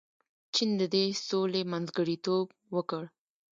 چین د دې سولې منځګړیتوب وکړ.